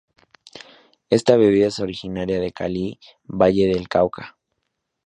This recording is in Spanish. Esta bebida es originaria de Cali, Valle del Cauca.